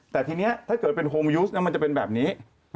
แต่ทีนี้ถ้าเกิดเป็นโฮมยูสมันจะเป็นแบบนี้